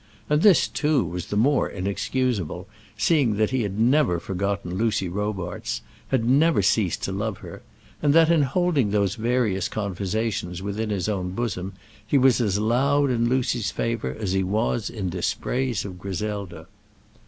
And this, too, was the more inexcusable, seeing that he had never forgotten Lucy Robarts, had never ceased to love her, and that, in holding those various conversations within his own bosom, he was as loud in Lucy's favour as he was in dispraise of Griselda.